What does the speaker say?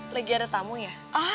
lagi ada tamu ya